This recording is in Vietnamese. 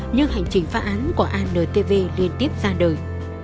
nhưng hành trình phá án của antv liên tiếp ra đời